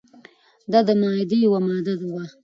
دا د معاهدې یوه ماده وه.